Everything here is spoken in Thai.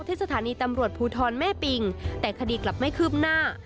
ที่สถานีตำรวจภูทรแม่ปิงแต่คดีกลับไม่คืบหน้า